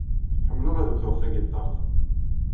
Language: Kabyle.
Ḥemmleɣ ad wteɣ tagiṭart.